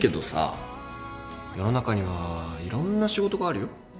世の中にはいろんな仕事があるよ。